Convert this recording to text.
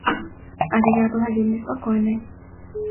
Але я была вельмі спакойнай.